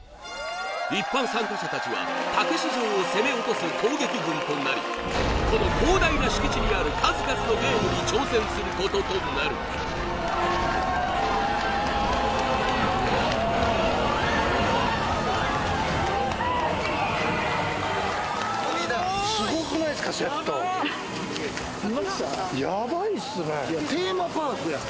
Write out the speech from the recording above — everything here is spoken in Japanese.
一般参加者たちはたけし城を攻め落とす攻撃軍となりこの広大な敷地にある数々のゲームに挑戦することとなるすごくないですかセットヤバいっすねテーマパークやん